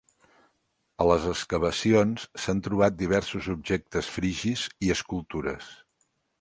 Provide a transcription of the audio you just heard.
A les excavacions s'han trobat diversos objectes frigis i escultures.